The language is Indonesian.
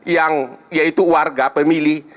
yang yaitu warga pemilih